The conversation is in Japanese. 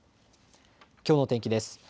きょうの天気です。